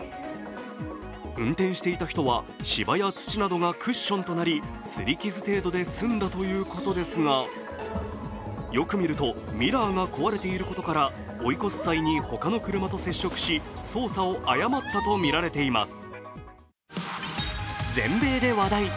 運転していた人は芝や土などがクッションとなりすり傷程度で済んだということですが、よく見るとミラーが壊れていることから、追い越す際に他の車と接触し操作を誤ったとみられています。